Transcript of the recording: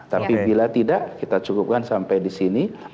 tapi bila tidak kita cukupkan sampai di sini